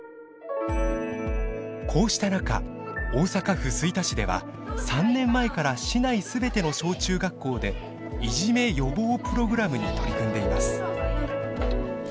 こうした中大阪府吹田市では３年前から市内全ての小中学校で「いじめ予防プログラム」に取り組んでいます。